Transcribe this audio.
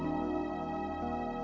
tidak ada apa apa